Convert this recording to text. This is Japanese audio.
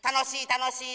たのしい